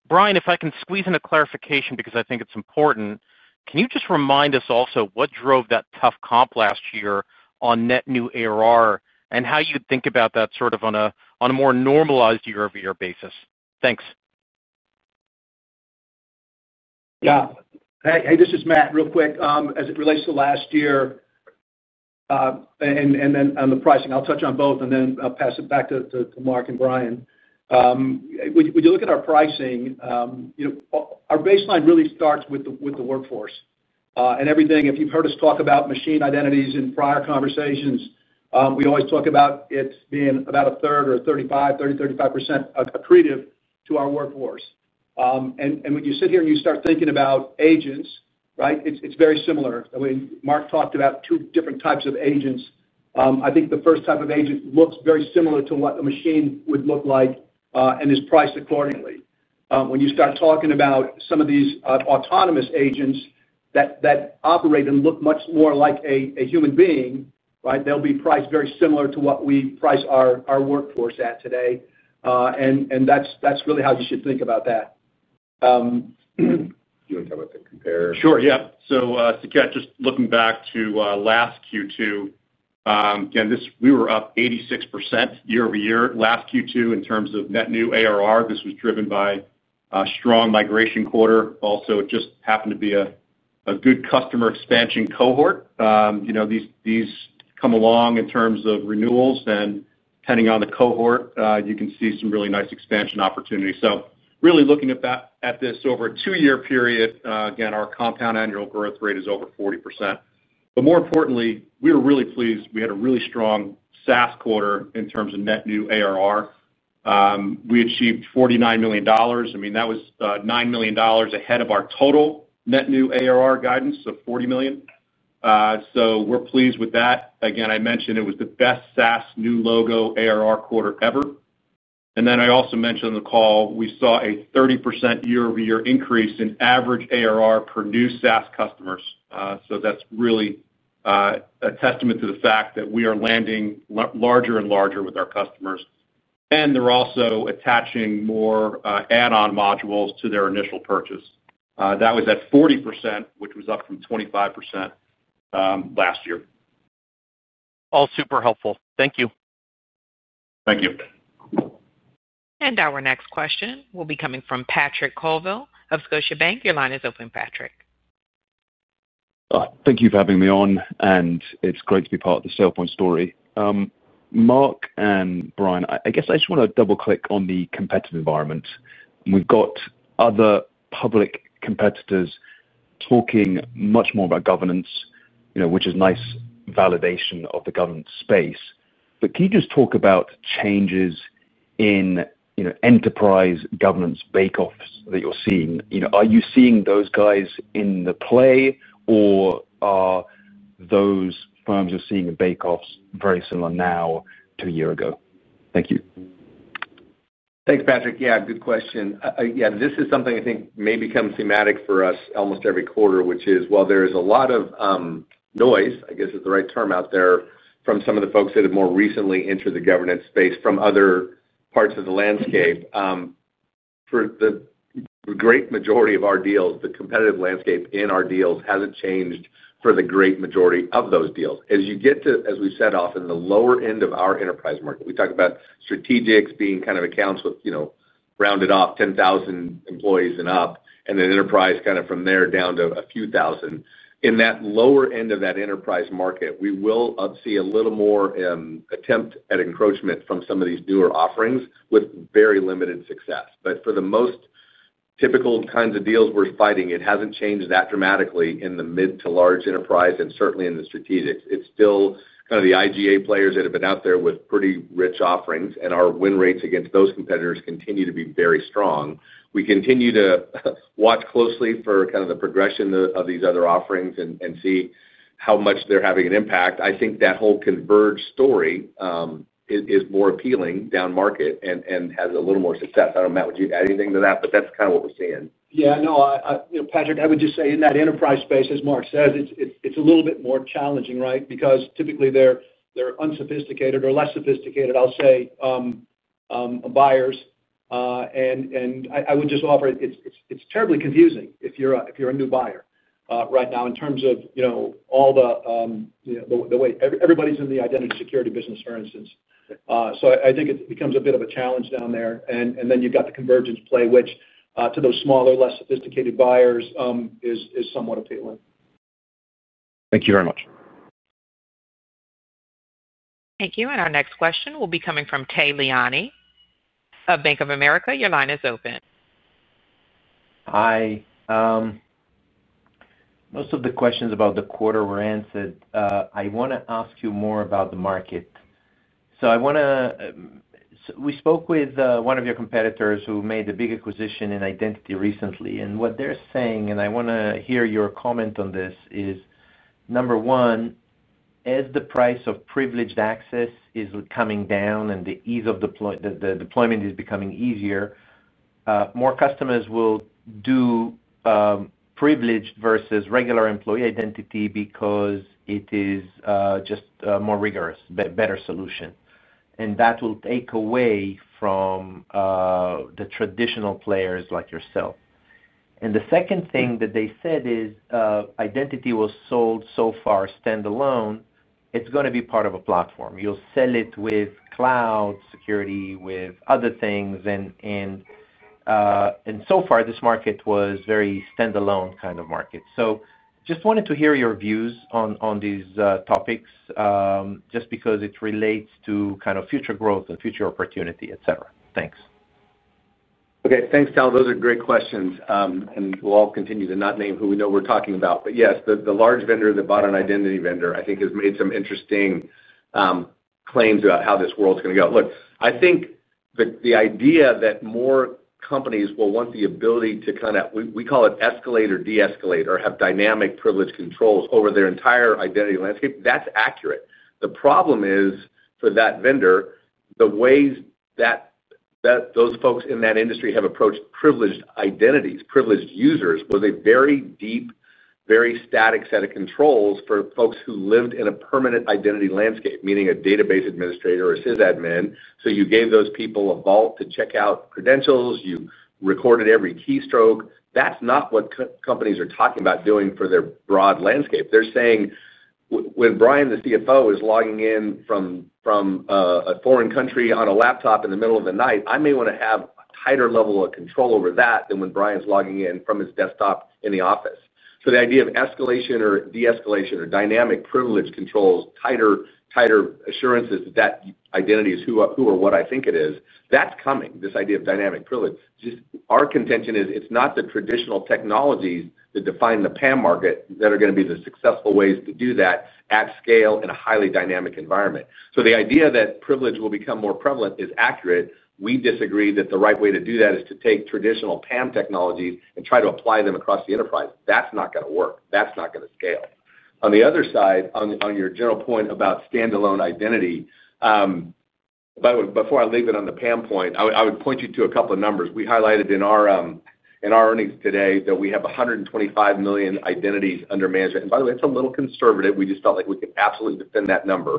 Brian, if I can squeeze in a clarification because I think it's important, can you just remind us also what drove that tough comp last year on net new ARR and how you think about that sort of on a more normalized year-over-year basis? Thanks. Yeah. Hey, this is Matt real quick. As it relates to last year and then on the pricing, I'll touch on both and then I'll pass it back to Mark and Brian. When you look at our pricing, you know, our baseline really starts with the workforce and everything. If you've heard us talk about machine identities in prior conversations, we always talk about it being about a third or 30% to 35% accretive to our workforce. When you sit here and you start thinking about agents, right, it's very similar. Mark talked about two different types of agents. I think the first type of agent looks very similar to what a machine would look like and is priced accordingly. When you start talking about some of these autonomous agents that operate and look much more like a human being, right, they'll be priced very similar to what we price our workforce at today. That's really how you should think about that. Do you want to talk about the compare? Sure, yep. Saket, just looking back to last Q2, again, we were up 86% year-over-year last Q2 in terms of net new ARR. This was driven by a strong migration quarter. Also, it just happened to be a good customer expansion cohort. You know, these come along in terms of renewals, and depending on the cohort, you can see some really nice expansion opportunities. Really looking at this over a two-year period, again, our compound annual growth rate is over 40%. More importantly, we were really pleased. We had a really strong SaaS quarter in terms of net new ARR. We achieved $49 million. That was $9 million ahead of our total net new ARR guidance of $40 million. We're pleased with that. I mentioned it was the best SaaS new logo ARR quarter ever. I also mentioned on the call, we saw a 30% year-over-year increase in average ARR per new SaaS customers. That's really a testament to the fact that we are landing larger and larger with our customers, and they're also attaching more add-on modules to their initial purchase. That was at 40%, which was up from 25% last year. All super helpful. Thank you. Thank you. Our next question will be coming from Patrick Colville of Scotia Bank. Your line is open, Patrick. Thank you for having me on, and it's great to be part of the SailPoint story. Mark and Brian, I guess I just want to double-click on the competitive environment. We've got other public competitors talking much more about governance, which is nice validation of the governance space. Can you just talk about changes in enterprise governance bake-offs that you're seeing? Are you seeing those guys in the play, or are those firms you're seeing in bake-offs very similar now to a year ago? Thank you. Thanks, Patrick. Good question. This is something I think may become thematic for us almost every quarter, which is, while there is a lot of noise, I guess is the right term out there, from some of the folks that have more recently entered the governance space from other parts of the landscape, for the great majority of our deals, the competitive landscape in our deals hasn't changed for the great majority of those deals. As you get to, as we've said, off in the lower end of our enterprise market, we talk about strategics being kind of accounts with, you know, rounded off 10,000 employees and up, and then enterprise kind of from there down to a few thousand. In that lower end of that enterprise market, we will see a little more attempt at encroachment from some of these newer offerings with very limited success. For the most typical kinds of deals we're fighting, it hasn't changed that dramatically in the mid-to-large enterprise and certainly in the strategics. It's still kind of the IGA players that have been out there with pretty rich offerings, and our win rates against those competitors continue to be very strong. We continue to watch closely for kind of the progression of these other offerings and see how much they're having an impact. I think that whole converged story is more appealing down market and has a little more success. I don't know, Matt, would you add anything to that? That's kind of what we're seeing. Yeah, no, Patrick, I would just say in that enterprise space, as Mark says, it's a little bit more challenging, right? Because typically they're unsophisticated or less sophisticated, I'll say, buyers. I would just offer it, it's terribly confusing if you're a new buyer right now in terms of, you know, all the way everybody's in the identity security business, for instance. I think it becomes a bit of a challenge down there. Then you've got the convergence play, which to those smaller, less sophisticated buyers is somewhat appealing. Thank you very much. Thank you. Our next question will be coming from Tal Liani of Bank of America. Your line is open. Hi. Most of the questions about the quarter were answered. I want to ask you more about the market. We spoke with one of your competitors who made the big acquisition in identity recently. What they're saying, and I want to hear your comment on this, is number one, as the price of privileged access is coming down and the ease of deployment is becoming easier, more customers will do privileged versus regular employee identity because it is just a more rigorous, better solution. That will take away from the traditional players like yourself. The second thing that they said is identity was sold so far standalone. It's going to be part of a platform. You'll sell it with cloud, security, with other things. So far, this market was a very standalone kind of market. I just wanted to hear your views on these topics, just because it relates to kind of future growth and future opportunity, etc. Thanks. Okay, thanks, Tal. Those are great questions. We'll all continue to not name who we know we're talking about. Yes, the large vendor that bought an identity vendor, I think, has made some interesting claims about how this world's going to go. Look, I think the idea that more companies will want the ability to kind of, we call it escalate or de-escalate or have dynamic privileged controls over their entire identity landscape, that's accurate. The problem is for that vendor, the ways that those folks in that industry have approached privileged identities, privileged users, was a very deep, very static set of controls for folks who lived in a permanent identity landscape, meaning a database administrator or a sysadmin. You gave those people a vault to check out credentials. You recorded every keystroke. That's not what companies are talking about doing for their broad landscape. They're saying when Brian, the CFO, is logging in from a foreign country on a laptop in the middle of the night, I may want to have a tighter level of control over that than when Brian's logging in from his desktop in the office. The idea of escalation or de-escalation or dynamic privileged controls, tighter assurances that that identity is who or what I think it is, that's coming. This idea of dynamic privilege. Our contention is it's not the traditional technologies that define the PAM market that are going to be the successful ways to do that at scale in a highly dynamic environment. The idea that privilege will become more prevalent is accurate. We disagree that the right way to do that is to take traditional PAM technologies and try to apply them across the enterprise. That's not going to work. That's not going to scale. On the other side, on your general point about standalone identity, by the way, before I leave it on the PAM point, I would point you to a couple of numbers. We highlighted in our earnings today that we have 125 million identities under management. By the way, it's a little conservative. We just felt like we could absolutely defend that number.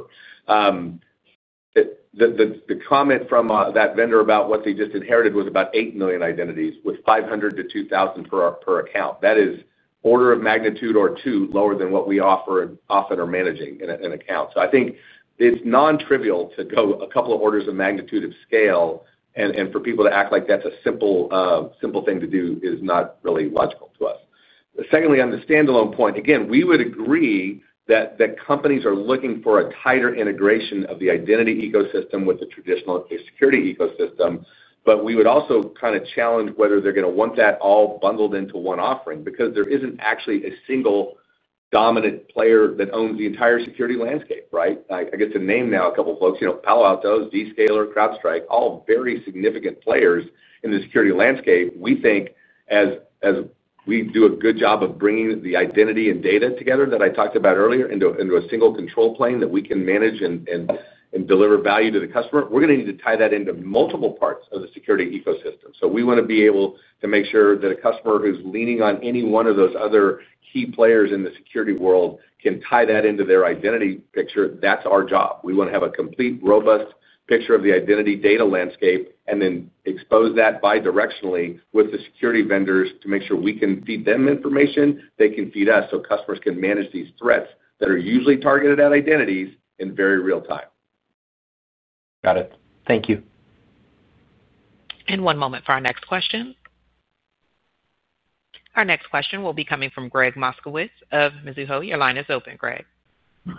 The comment from that vendor about what they just inherited was about 8 million identities with 500 to 2,000 per account. That is an order of magnitude or two lower than what we often are managing in an account. I think it's non-trivial to go a couple of orders of magnitude of scale, and for people to act like that's a simple thing to do is not really logical to us. Secondly, on the standalone point, again, we would agree that companies are looking for a tighter integration of the identity ecosystem with the traditional security ecosystem, but we would also challenge whether they're going to want that all bundled into one offering because there isn't actually a single dominant player that owns the entire security landscape, right? I get to name now a couple of folks, you know, Palo Alto, Zscaler, CrowdStrike, all very significant players in the security landscape. We think as we do a good job of bringing the identity and data together that I talked about earlier into a single control plane that we can manage and deliver value to the customer, we're going to need to tie that into multiple parts of the security ecosystem. We want to be able to make sure that a customer who's leaning on any one of those other key players in the security world can tie that into their identity picture. That's our job. We want to have a complete, robust picture of the identity data landscape and then expose that bidirectionally with the security vendors to make sure we can feed them information, they can feed us, so customers can manage these threats that are usually targeted at identities in very real time. Got it. Thank you. One moment for our next question. Our next question will be coming from Gregg Moskowitz of Mizuho. Your line is open, Gregg. Greg,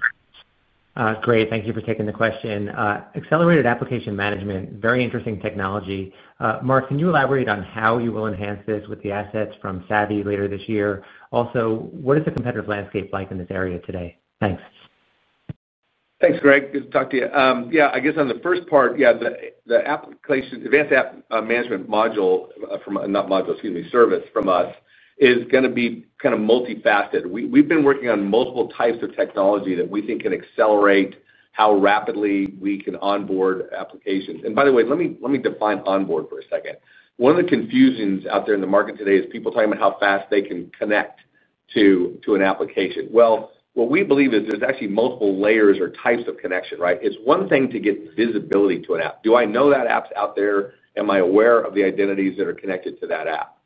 thank you for taking the question. Accelerated Application Management, very interesting technology. Mark, can you elaborate on how you will enhance this with the assets from Savvy later this year? Also, what is the competitive landscape like in this area today? Thanks. Thanks, Greg. Good to talk to you. Yeah, I guess on the first part, yeah, the advanced app management service from us is going to be kind of multifaceted. We've been working on multiple types of technology that we think can accelerate how rapidly we can onboard applications. By the way, let me define onboard for a second. One of the confusions out there in the market today is people talking about how fast they can connect to an application. What we believe is there's actually multiple layers or types of connection, right? It's one thing to get visibility to an app. Do I know that app's out there? Am I aware of the identities that are connected to that app?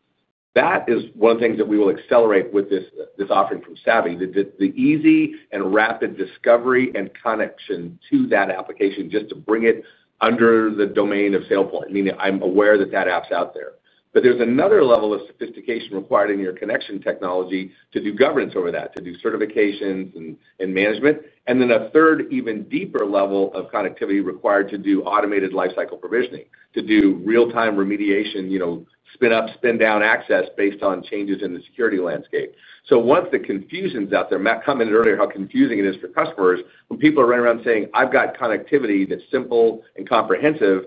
That is one of the things that we will accelerate with this offering from Savvy, the easy and rapid discovery and connection to that application just to bring it under the domain of SailPoint, meaning I'm aware that that app's out there. There's another level of sophistication required in your connection technology to do governance over that, to do certifications and management, and then a third, even deeper level of connectivity required to do automated lifecycle provisioning, to do real-time remediation, you know, spin-up, spin-down access based on changes in the security landscape. Once the confusion's out there, Matt commented earlier how confusing it is for customers when people are running around saying, "I've got connectivity that's simple and comprehensive."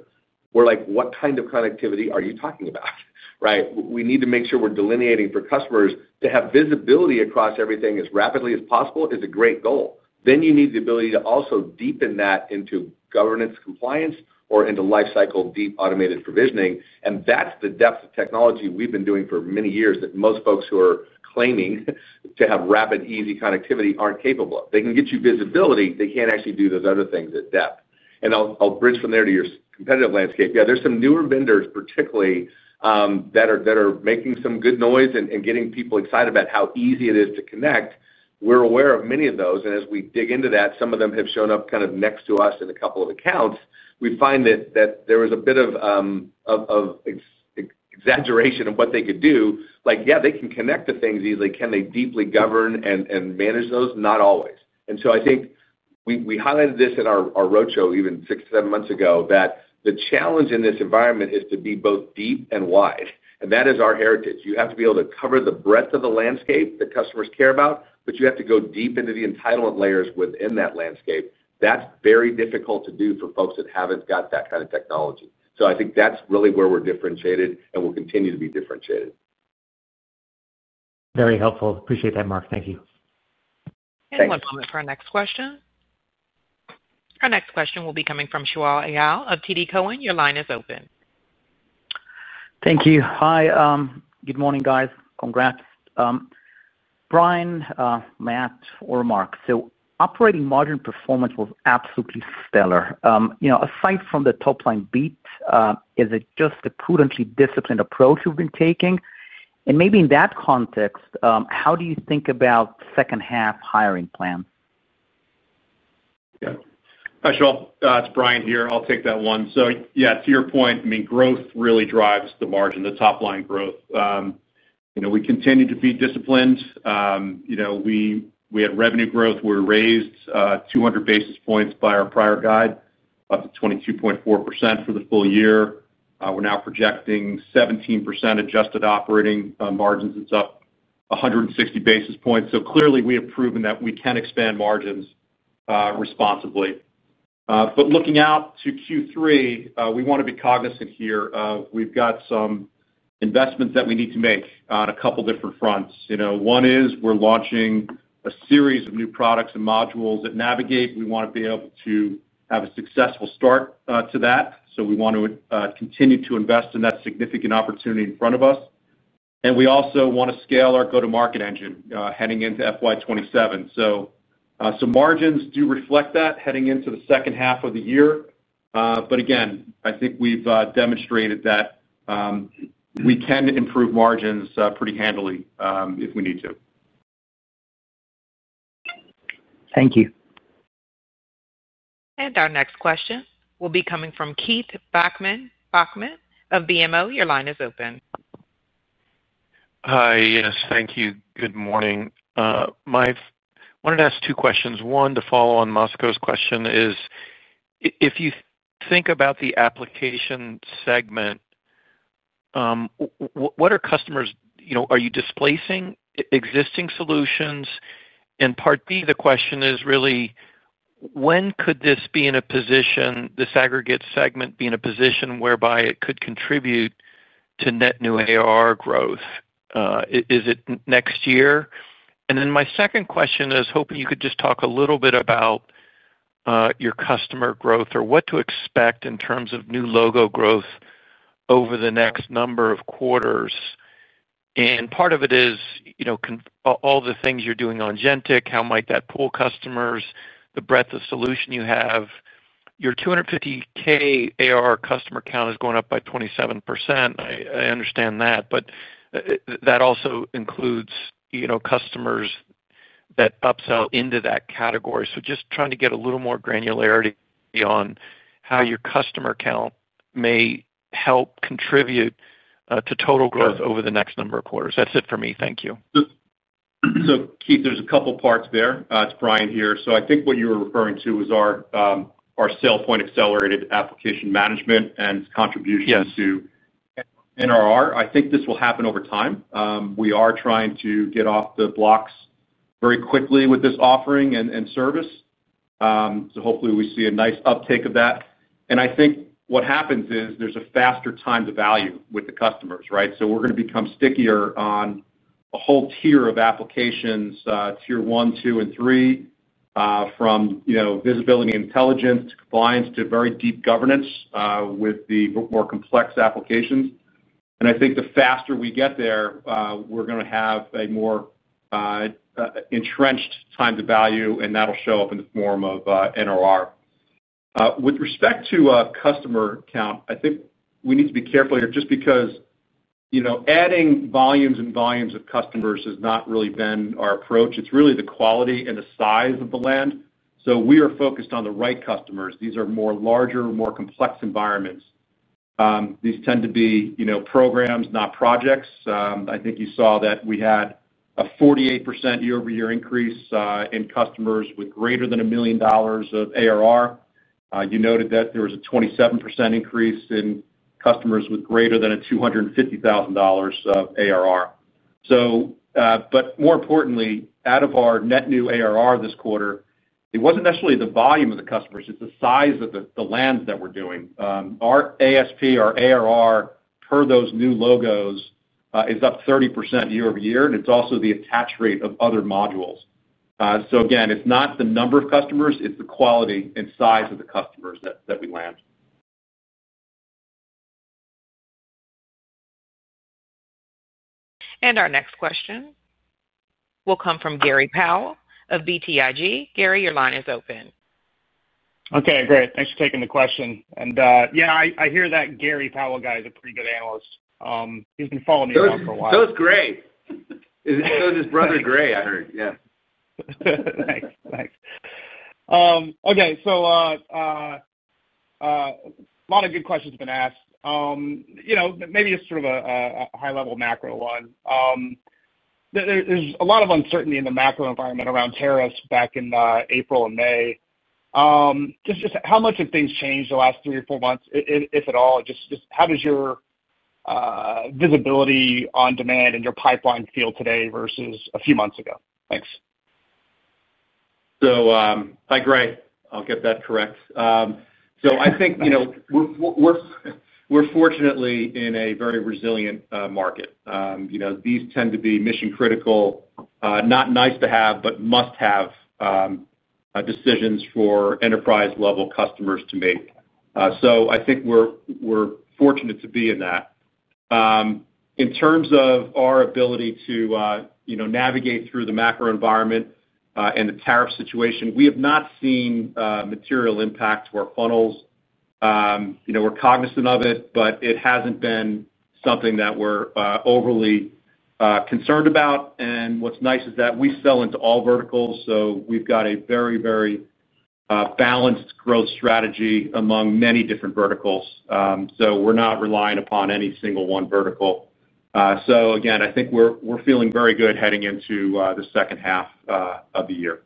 We're like, "What kind of connectivity are you talking about?" Right? We need to make sure we're delineating for customers to have visibility across everything as rapidly as possible is a great goal. You need the ability to also deepen that into governance compliance or into lifecycle deep automated provisioning. That's the depth of technology we've been doing for many years that most folks who are claiming to have rapid, easy connectivity aren't capable of. They can get you visibility, they can't actually do those other things at depth. I'll bridge from there to your competitive landscape. Yeah, there's some newer vendors, particularly, that are making some good noise and getting people excited about how easy it is to connect. We're aware of many of those, and as we dig into that, some of them have shown up kind of next to us in a couple of accounts. We find that there was a bit of exaggeration in what they could do. Like, yeah, they can connect to things easily. Can they deeply govern and manage those? Not always. I think we highlighted this in our roadshow even six, seven months ago, that the challenge in this environment is to be both deep and wide. That is our heritage. You have to be able to cover the breadth of the landscape that customers care about, but you have to go deep into the entitlement layers within that landscape. That's very difficult to do for folks that haven't got that kind of technology. I think that's really where we're differentiated and will continue to be differentiated. Very helpful. Appreciate that, Mark. Thank you. One moment for our next question. Our next question will be coming from Shaul Eyal of TD Cowen. Your line is open. Thank you. Hi. Good morning, guys. Congrats. Brian, Matt, or Mark. Operating margin performance was absolutely stellar. Aside from the top-line beat, is it just the prudently disciplined approach we've been taking? In that context, how do you think about second-half hiring plans? Yeah. Hi, Shaul. It's Brian here. I'll take that one. To your point, I mean, growth really drives the margin, the top-line growth. We continue to be disciplined. We had revenue growth. We were raised 200 basis points by our prior guide up to 22.4% for the full year. We're now projecting 17% adjusted operating margins. It's up 160 basis points. Clearly, we have proven that we can expand margins responsibly. Looking out to Q3, we want to be cognizant here. We've got some investments that we need to make on a couple of different fronts. One is we're launching a series of new products and modules at Navigate. We want to be able to have a successful start to that. We want to continue to invest in that significant opportunity in front of us. We also want to scale our go-to-market engine heading into FY27. Margins do reflect that heading into the second half of the year. Again, I think we've demonstrated that we can improve margins pretty handily if we need to. Thank you. Our next question will be coming from Keith Weiss of Morgan Stanley. Your line is open. Hi. Yes, thank you. Good morning. I wanted to ask two questions. One, to follow on Moskowitz's question, is if you think about the application segment, what are customers, you know, are you displacing existing solutions? Part B, the question is really, when could this be in a position, this aggregate segment be in a position whereby it could contribute to net new ARR growth? Is it next year? My second question is hoping you could just talk a little bit about your customer growth or what to expect in terms of new logo growth over the next number of quarters. Part of it is, you know, all the things you're doing on Agentic, how might that pull customers, the breadth of solution you have. Your $250,000 ARR customer count has gone up by 27%. I understand that. That also includes, you know, customers that upsell into that category. Just trying to get a little more granularity on how your customer count may help contribute to total growth over the next number of quarters. That's it for me. Thank you. Keith, there's a couple of parts there. It's Brian here. I think what you were referring to was our SailPoint Accelerated Application Management and its contribution to NRR. I think this will happen over time. We are trying to get off the blocks very quickly with this offering and service. Hopefully, we see a nice uptake of that. I think what happens is there's a faster time to value with the customers, right? We're going to become stickier on a whole tier of applications, tier one, two, and three, from visibility and intelligence to compliance to very deep governance with the more complex applications. I think the faster we get there, we're going to have a more entrenched time to value, and that'll show up in the form of NRR. With respect to customer count, I think we need to be careful here just because adding volumes and volumes of customers has not really been our approach. It's really the quality and the size of the land. We are focused on the right customers. These are more larger, more complex environments. These tend to be programs, not projects. I think you saw that we had a 48% year-over-year increase in customers with greater than $1 million of ARR. You noted that there was a 27% increase in customers with greater than $250,000 ARR. More importantly, out of our net new ARR this quarter, it wasn't necessarily the volume of the customers. It's the size of the lands that we're doing. Our ASP, our ARR per those new logos, is up 30% year-over-year, and it's also the attach rate of other modules. Again, it's not the number of customers. It's the quality and size of the customers that we land. Our next question will come from Gray Powell of BTIG. Gray, your line is open. Okay, great. Thanks for taking the question. Yeah, I hear that Gray Powell guy is a pretty good analyst. He's been following me around for a while. He goes gray. He goes his brother Gray, I heard. Yeah. Nice, nice. Okay, a lot of good questions have been asked. Maybe just sort of a high-level macro one. There's a lot of uncertainty in the macro environment around tariffs back in April and May. Just how much have things changed in the last three or four months, if at all? How does your visibility on demand and your pipeline feel today versus a few months ago? Thanks. Hi, Gray. I'll get that correct. I think we're fortunately in a very resilient market. These tend to be mission-critical, not nice to have, but must-have decisions for enterprise-level customers to make. I think we're fortunate to be in that. In terms of our ability to navigate through the macro environment and the tariff situation, we have not seen material impact to our funnels. We're cognizant of it, but it hasn't been something that we're overly concerned about. What's nice is that we sell into all verticals. We've got a very, very balanced growth strategy among many different verticals. We're not reliant upon any single one vertical. I think we're feeling very good heading into the second half of the year.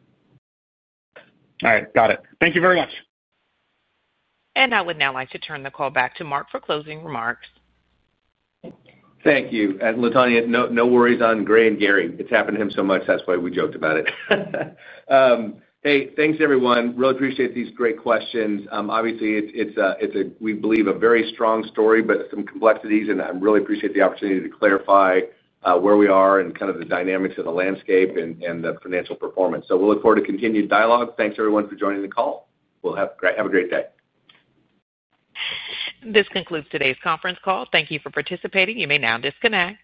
All right, got it. Thank you very much. I would now like to turn the call back to Mark for closing remarks. Thank you. Latonya, no worries on Gray and Gary. It's happened to him so much. That's why we joked about it. Hey, thanks, everyone. Really appreciate these great questions. Obviously, we believe a very strong story, but some complexities, and I really appreciate the opportunity to clarify where we are and kind of the dynamics of the landscape and the financial performance. We'll look forward to continued dialogue. Thanks, everyone, for joining the call. Have a great day. This concludes today's conference call. Thank you for participating. You may now disconnect.